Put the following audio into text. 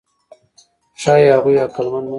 ښایي هغوی عقلمن نه وي.